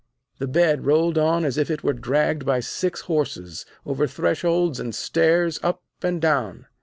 The bed rolled on as if it were dragged by six horses; over thresholds and stairs, up and down.